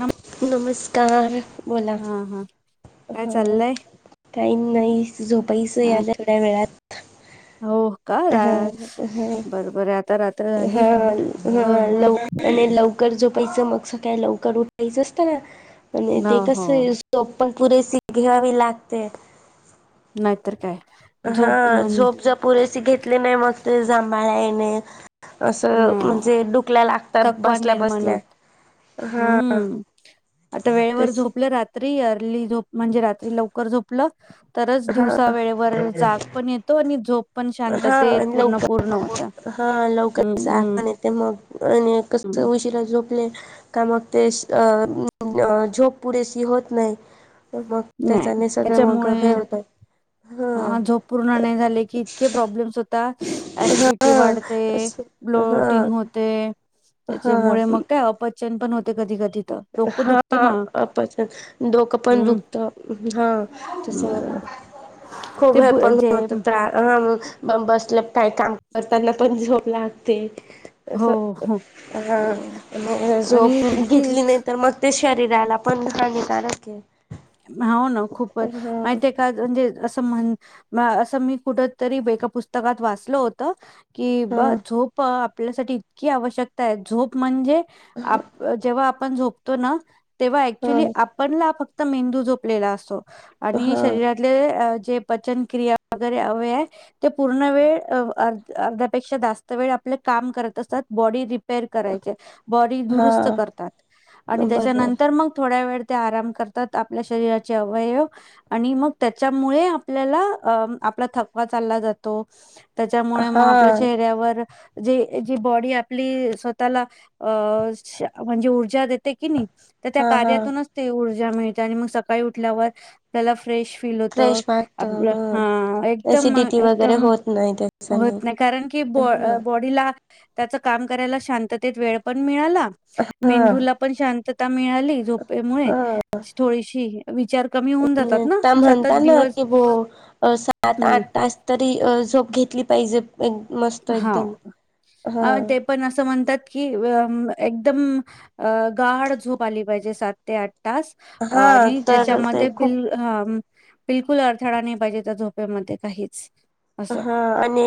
नम नमस्कार बोला हा हा काय हा चाललंय काय नाय झोपईसो हा याथड्या वेळात हो का हा हा बरोबर आहे आता हा झाली हा हो हो लवकर लवकर जो पयच मग सग का लवकर उठायचं असत ना आणि ते हो हो कस पण पुरेशी घ्यावी लागते नाहीतर काय हा झोप म्हण झोपज पुरेसे घेतली नाही मस् ते जमायले नाही. असं न म्हणजे डुकल्या लागतात थकवा बसल्या निर्माण बसल्या होत हा हम्म त तरी झोप म्हणजे रात्री लवकर झोपलं तरच हा दिवसा वेळेवर जाग पण येतो आणि झोप पण हा शांतत आणि पूर्ण पूर्ण होऊन जाते. लवकर जाग पण येते म आणि कस हम्म उशीरा झोपले का मग ते अ झोप पुरेशी होत नाही. मग नाही त्याच्याने सगळं मग त्याच्यामुळे हे होतं. हा ह झोप पूर्ण नाही झाले की इतके प्रॉब्लेम होता आशिडीती वाढते, हा ब्लोटिंग होते हा त्याच्यामुळे मग काय अपचन पण होते कधी कधी तर डोकं हा दुखते मा अपचन डोकं पण हम्म दुखतं. हा तस हम्म ते खूप हे ब- पण जे ह बसले [unintelligible] काय काम करताना पण झोप लागते. अस हो हो हा हो. आणि झोप ती घेतली नाही ते शरीराला पण हानिकारक आहे. हो ना खूपच हा मा का म्हणजे अस म्हण म असं मी कुठ तरी एका पुस्तकात वाचल होत. कि बा झोप आपल्यासाठी इतकी आवश्यकता आहे झोप म्हणजे आप जेव्हा आप आपण झोपतो ना. तेव्हा हा ऍक्च्युली आपणला फक्त मेंदू जोपलेला असतो. आणि हा शरीरातले जे पचन क्रिया वगेरे अवयव ते पूर्ण वेळ अर्ध्यापेक्षा जास्त वेळ आपल काम करत असतात ब रिपेअर करायचे बॉडी हा दुरुस्त हा करतात आणि त्यांच्या बरोबर नंतर थोडावेळ ते ते आराम करत त्यात आपल्या शरीराचे अवयव आणि मग त्याच्यामुळे आपल्याला आपला थकवा चालला जातो त्याच्यामुळे हा मग आपल्या चेहऱ्यावर जे जी बॉडी आपली स्वतःला अ म्हणजे ऊर्जा देते की नाही. तर त्या हा हा कार्यातूनच तेढ जम आणि मग सकाळी उठल्यावर त्याला फ्रेश फील होत फ्रेश वाटत आपलं ह हा एकदम एसिडिटी वगैरे एकदम होत नाही होत त्याच्याने नाही कारण की ब ह बॉडीला त्याच काम करायला शांततेत वेळ पण मिळाला हा मेंदू पण शांत मिळाली झोपेमुळे शी विचार कमी होऊन जातात ना म्हणता सतत ना दिवस की ब सात हम्म आठ तास तरी झोप घेतली पैज हा हा अ ते पण असं म्हणतात एकदम गाढ झोप आली पाहिजे सात ते आठ तास हा आणि तर ते त्याच्यामध्ये खूप बिल बिलकुल अडथळा नाही पाहिजे त्या झोप्यामध्ये काहीच असं हा आणि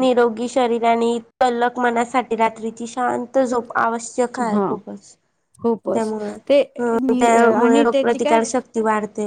निरोगी शरीरा आणि तलक मनासाठी रात्रीची शांत झोप आवश्यक आहे ह खूपच खपच त्यामुळे ह त्यामुळे आणि त्या काय रोगप्रतिकार शक्ती वाढते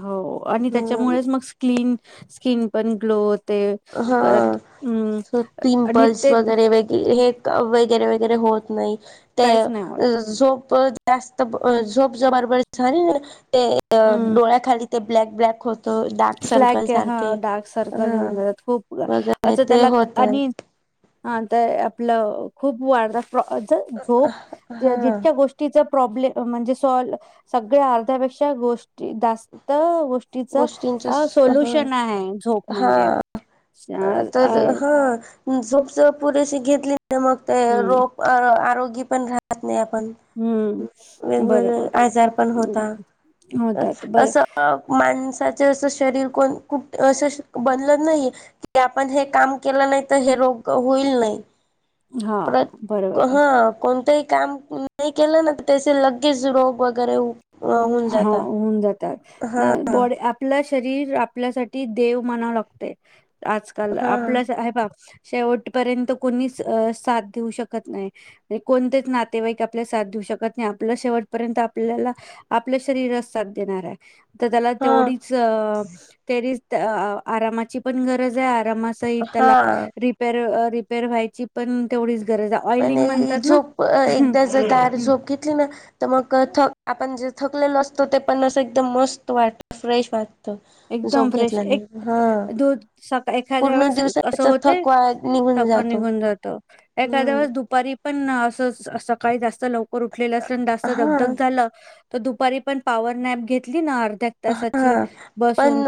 हो आणि ह त्याच्यामुळे मग स्न स्कन पण ग्लोथ हा आणि पिंपल्स ते वगैरे वगै हे वगैरे वगैरे होत नाही ते काहीच नाही होत. अ जो जास्त झोप जार प ते हम्म डोळ्या खाली ते ब्लॅ ब्लॅक हो ब्लॅक हा डार्क सर्कल हा येऊन जातात खूप वगैरे असं ते त्याला होत आणि हा तर आपलं खूप वाढत झोप हा जितक्या गोष्टीच प्राब्लेम म्हणे सगळं अर्धा पेक्ष्या गो जास्त गोष्ट तिचं गोष्टींचा अ सोल्युशन आहे झोप हा म्हणजे अ तर हा झोप स पुरेशी घेतली म ते रोप आरोग पण राहत नाही प हम्म बरोबर वेगवेगळे आजार पण होता होतात बरं असं माणसाच अस शरीर कोण कुठ अस बनल नाही की आपण हे काम केलं नाही तर हे रोग होईल नाही हां, प्र बरोबर आहे. हा कोणतही काम नाही केलं ना पैसे लगेच रोग वगैरे होऊन हा जाता होऊन जात हा आप शरीर आपल्यासाठी देव म्हणा लागते आजकाल हा आपलंच आहे बा शेवटपर्यंत कोणीच साथ देऊ शकत नाही कोणतेच नातेवाईक आपल्या साथ देऊ शकत नाही आपलं शेवटपर्यंत आपल्याला आपल्या शरीरात साथ देणार आहे तर त्याला हा तेवढीच तेरी आरामाची पण गरज आहे क्रमस इेतला हा रिपेर रिपेअर व्हायची प आणि झोप एकदा जर दार हं, झोप घेतली ना तर मग थ आपण जे थकलेल असतो ते पण असं एकदम मस्त वाटत फ्रेश वाटत एकदम झोप फ्रेश घेतल्याने एक हा दूध सका एखाद्या पूर्ण वेळेस कं दिवसाचा होते थकवा निघून सका जातो निघून जातो हम्म एखाद्यावेळेस दुपारी पण असं असं काहीच असत लवकर उठलेलं असलं आणि जास्त हा गधग झालं तर दुपारी पण पॉवर नॅप घेतली ना अर्ध त्याक्ता साची हा पण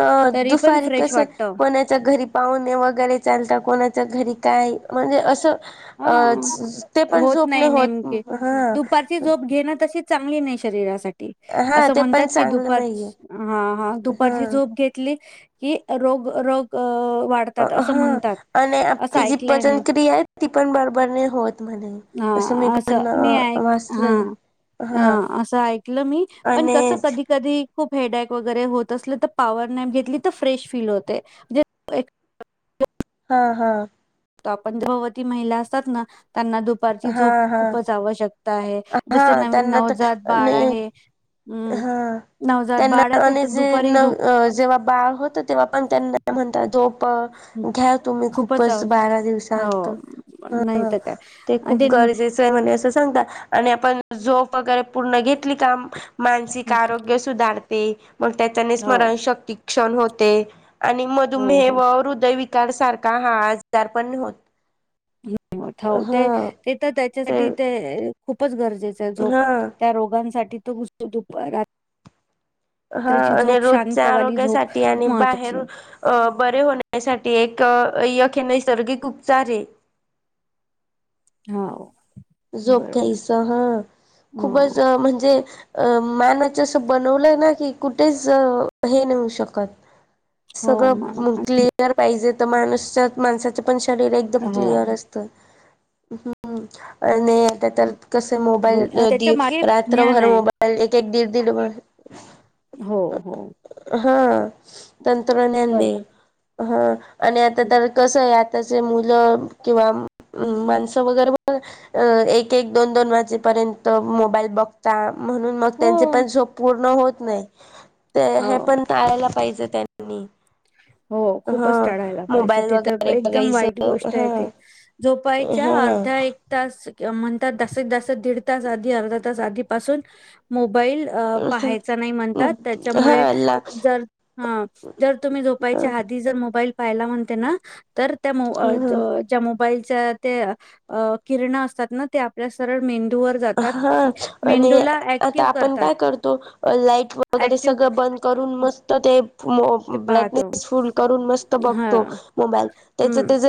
दुफारी कस कोणाच्या घरी पाहुणे वगैरे चालता कोणाच्या.. घरी काय म्हणजे असं अ हं ते पण होत झोपने नाही होत नेमके हा दुपारची झोप घेणं तशी चांगली नाही शरीरासाठी. हा असं ते म्हणतात पण की चांगलं दुपार नाहीये हा हा दुपारची झोप घेतली कि रोग रोग अ वाढतात असं हा म्हणतात. आणि असं आपली जी ऐकलंय मी. पचन क्रिया आहेत ती पण बरोबर नाही होत म्हणे असं मी हा पण मी ऐक हा वाचलय हा असं ऐकलं मी पण आणि कसं कधी कधी खूप हेडॅक वगैरे होत असलं तर पॉवर नैम घेतली तर फ्रेश फील होते म्हणजे एक हा हा. त आपण ध्रुवती महिला असतात ना, त्यांना दुपारची हा झोप हा खूपच आवश्यक. आहे जसे हा नंग त्यांना तर नवजात बाळ आणि आहे. हम्म हा नवजात त्यांना बाळ आहे ते आणि तर जे दुपारी नव झोप अ जेव्हा बाळ होत तेव्हा पण त्यांना म्हणतात झोप प हं, घ्या तुम्ही खूपच बारा दिवसात हो नाही ह तर काय ते खूप म्हणजे गरजेचं आहे म्हणे असं सांगता. आणि आपण झोप वगैरे पूर्ण घेतली काम मानसिक आरोग्य सुधार ते. पण त्याच्याने हो स्मरणशक्ती क्षण होते. आणि हो मधुमेह हो व हृदय विक कार सारखा [unintelligible] हा आजार पण होत [unintelligible] ह हो ते हा ते तर त्याच्यासाठी ते खूपच गरज. त्याच्या झोप हा त्या रोगांसाठी. तो गुसतो दुपारात. हा आणि रोजच्या झोप आरोग्यासाठी खूप आणि बाहेर महत्वाची आहे अ बरे होण्यासाठी एक य के नैसर्गिकिक उपचारहे. हाव. झोप घ्यायस ह खूपच हो अ म्हणजे अ मानाचसं बनवलं ना की कुठेच हे नऊ शकत. सगळं म क्लिअर पाहिजेत. त माणूसच्यात माणसाच्या पण शरीर एकदम हा क्लिअर असत. हम्म. अ नाहीआता तर. कसे ब मोबाईल [unintelligible] त्याच्या कधी मागे ज्ञान रात्रभर आहे मोबाईल एक एक दिड दिड बर हो हो. हा. तंत्रज्ञानने बरोबर हा. आणि आता तर कस यात. त्याचे मुल किंवा माणस वगैरे पण अ एक एक दोन दोन वाजेपर्यंत मोबाईल बघता म्हणून मग हो त्यांचे पण झोप पूर्ण होत नाही ते हे पण टळायला पाहिजे त्यांनी. ह हो खूपच हा टळायला पाहिजे मोबाईल ते तर वगैरे एकदम वाईट बघायचं गोष्ट आहे हा ते झोपायच्या हा अर्धा एक तास म्हणतात जास्तीत जास्त म्हणतात दीड तास आधी अर्धा तास आधी पासून मो बैल अ पाहायचा नाही म्हणतात त्याच्यामुळे हा ला जर हे तर तूम्ही ह झोपायच्या आधी जर मोब मोबाईल पाहाला म्हणते ना तर त्या मो अ ज्या मोबाईल त्याच त्या किरन असतात ना ते आपल्या सरळ मेंदू हा आणि आता ऍक्टिव्ह आपण करतात काय करतो लाईट वगैरे ऍक्टिव्ह सगळ बंद करून मस्त ते मो ते पाहतो ब्राईटनेस फुल करून मस्त हा बघतो मोबाईल त्याच हम्म त्याच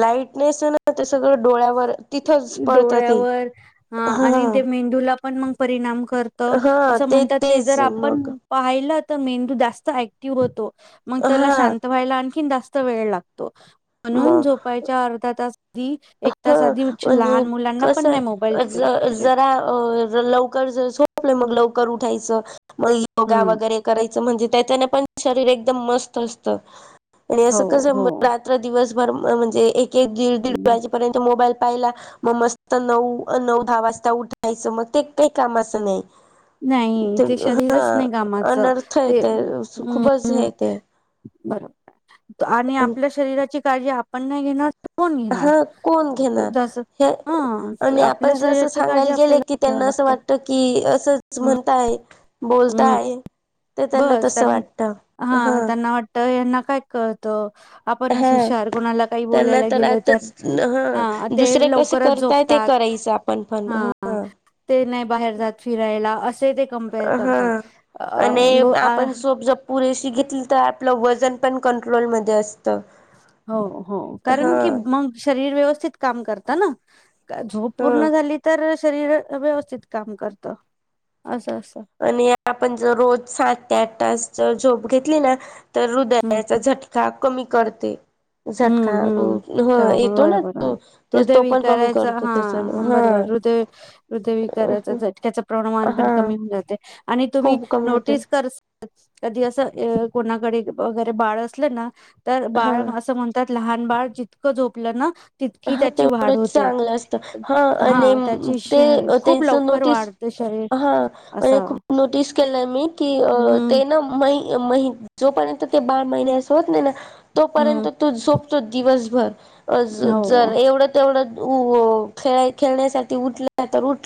लाईटनेस य ना ते सगळ डोळ्यावर तिथंच पडतं ते डोळ्यावर हा आणि ते मेंदूला हा पण म परिणाम करत हा अस म्हणतात ते जर तेच आपण मग पाहिल तर मेंदू जास्त ऍक्टिव्ह होतो. मग त्याला हा शांत व्हायला जास्त वेळ लागतो. म्हणून मग झोपायच्या अर्धा तास ी एक तास आधी लहान मुलांना कस पण नाही मोबाईल हे द्यायला पाहिजे जरा लवकर आपलं मग लवकर उठायचं. मग योगा हम्म वगैरे करायचं म्हणजे त्या त्याने पण शरीर एकदम मस्त असत. आणि हो असं कसं हो रात्र दिवस म्हजे एक हम्म. वजेपर्यंत मोबाईल पाहिला मग मस्त नऊ, नऊ, दहा वाजता उठायचं मग ते काही काम असं नाही. नाही ते शरीरच नाही कामाचं अनर्थ आहे ते अ खूपच हे ते बर. आणि आपल्या शरीराची काळजी आपण नाही घेणार त हा कोण घेणार हे हा आणि आपल्या आपण जसं शरीराची काळजी सांगायला गेले आपल्याला की घ्याव त्यांना असं लागत वाटत की असं असं म्हणताय. हो. हम्म बोलताय. ते त्यांना बस तसं त्यां वाटतं हा त्यांना वाटतय यांना काय कळतं? आपणच हा हुशार कोणाला काही त्यांना बोलायला गेलं तर आताच हा आ ते दुसरे कसे लवकरच करताय ते झोपतात. करायचं आपण पण हा ते नाही बाहेर जात फिरायला अस. ते ते कंपेअर हा करतात. आणि आ आपण झोप जर पुरेशी घेतली तर आपलं वजन पण कंट्रोलमध्ये अस हो हो कारण की मग शरीर व्यवस्थित काम करतात. का झोप हा पूर्ण झाली तर तशी शरीर व्यवस्थित काम करत. अस आणि आपण ज रोज सात ते आठ तास जर झोप घेतली ना तर हम् हृदयाचा झटका कमी करते. झटका हम्म, हम्म ह च बरोबर येतो हाय ना बघा. तो तर हृदय तो पण कमी विकारायच करतो हा त्याच्यान बरोबर हृदय, हृदय विकारायच हा. झटका. प्रणमान पण हा कमी होऊन जाते. आणि तुम्ही खूप कमी होते नोटीस कर कधी असं कोणाकडे वगैरे बाळ असले ना तर हा. बाळन असं म्हणतात लहान बाळ जितकं झोपलं ना तितकी हा त्याची वाढ तेवढंच होते चांगलं असतं हा आणि म त्याची श ते खूप तेच लवकर नोटीस वाढते शरीर हा आणि असं खूप नोटीस केलं मी की अ हम्म ते ना मई महि जोपर्यंत ते बाळ महिन्याचं होत नाही ना तोपर्यंत हम्म तो झोपतो दिवसभर. [inaudible] अज द जर हो एवढं तेवढं उ खेळ खेळण्यासाठी उठल्या तर उठ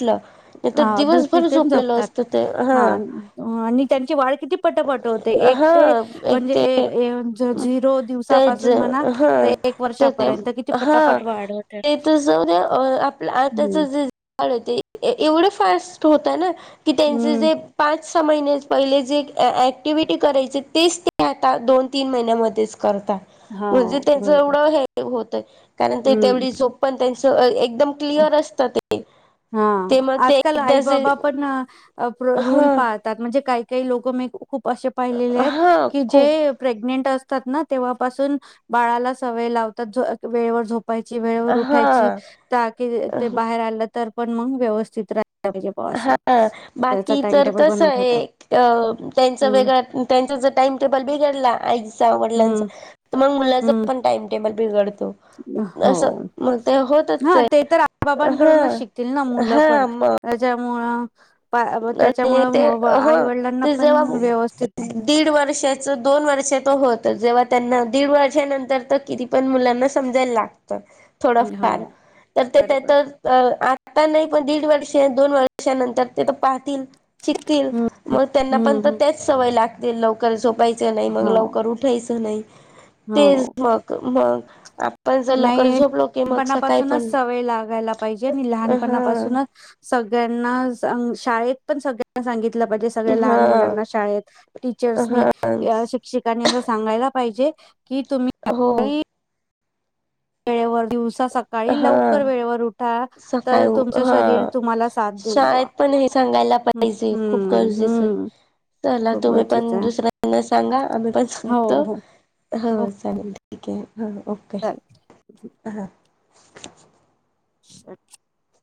हा दूध पित नं जोपतात असतं ते हा आणि त्यांची वाढ किती पटापटा होते. एक हा ते एक म्हणजे ए ते येचा झिरो तेच दिवसापासून म्हणा हा ते एक तर ते वर्षापर्यंत किती पट हा ते तर जाऊ दे. अ आपलं आत्ता हं, चं जे झालं ते ए एवढं फास्ट होतंय ना? की त्यांचे हं. जे पाच सं महिने पहिले जे ऍक्टिव्हिटी करायचे तेच ते आता दोन-तीन महिन्यामध्येच करता म्हणजे हां, त्यांच बरोबर. एवढं हे होतय ते तेवढी हं. झोप पण ती [unintelligible] एकदम क्लिअर असतं ते हा ते मग ते आजकाल आई एकदा जे बाबा पण रूल हा पाळतात म्हणजे काही कही लोकं में खूप खूप असे पाहिलेले आहेत हा की खूप जे प्रेग्नेंट अस ना तेव्हापासून बाळाला सवय लावतात वेळेवर झोप झोपायची, वेळ वेळेवर हा उठायची, जागे ते बाहेर आलं तर पण मग व्यवस्थित रा हा बाकी तर टाईमटेबल तंस बनवून हे. ठेवतात. त्यांच हं, वेगळ त्यांचा ज टाइमटेबल बिघडला आईचा वडलांचा हं, तं मग मुलांचं हं. पण टाइम टेबल बघड हो, ते तर आई हा बाबांकडूनच शिकतील ना मुलं पण हा मग ज्यामुळं आणि ते ह आई-वडिलांना ते पण जेव्हा व्यवस्थित दीड वर्षाच दोन वर्षाच होत. जेव्हा, त्यांना दीड वर्षानंतर तर किती पण मुलांना समजायला ला थोडं हो फार तर ते बरोबर तर आत्ता नाही पण दीड वर्ष दोन वर्षानंतर ते तर पाहतील. शिकतील हम्म मग त्यांना पण तर हम्म हम्म तेच सवय लाग ते लवकर स पायचं नाही मग हो लवकर उठायचं नाही. हो तेच मग मग [unintelligible] लवकर नाही झोपलो की मग सकाळी लानपणापासूनच पण सवय लागायला पाहिजे, आणि हा लहानपणापासूनच सग सगळ्यांना, शाळेत पण सगळ्यांना, सांगित तल पाहिजे सगळ्या लहान हा मुलांना शाळेत टीचर्सनी हा शिक्षीकानी अस सांगायला पाहिजे की हो तुम्ही वेळेवर दिवस हा तर सकाळी तुमचं हा शरीर तुम्हाला साथ देईल शाळेत बुवा पण हे सांगायला हम्म पाहिजे, खूप हम्म गरजेचं हे हम्म. चला खूप तुम्ही गरजेचं पण आहे दुसऱ्यांना सांगा आम्ही पण हो सांगतो हो हो चालेल. ठीक हे. ह ओके चालेल अंहा [unintelligible]